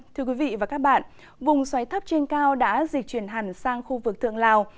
thưa quý vị và các bạn vùng xoáy thấp trên cao đã dịch chuyển hẳn sang khu vực thượng lào